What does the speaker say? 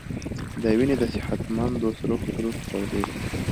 د وینې د صحتمندو سرو حجرو په تولید